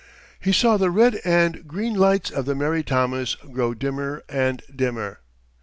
He saw the red and green lights of the Mary Thomas grow dimmer and dimmer.